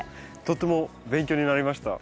とても勉強になりました。